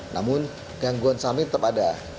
namun gangguan samit tetap ada